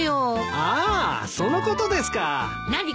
ああそのことですか。